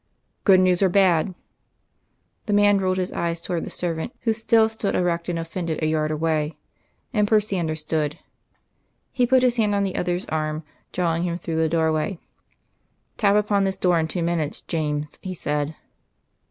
"Good news or bad?" The man rolled his eyes towards the servant, who still stood erect and offended a yard away; and Percy understood. He put his hand on the other's arm, drawing him through the doorway. "Tap upon this door in two minutes, James," he said.